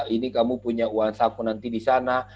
ini kamu punya uang saku nanti di sana